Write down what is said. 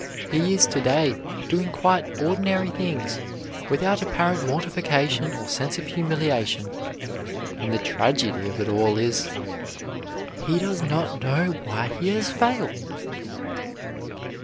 He is to day doing quite ordinary things, without apparent mortification or sense of humiliation, and the tragedy of it all is, he does not know why he has failed!